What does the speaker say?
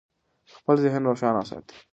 خپل ذهن روښانه وساتئ.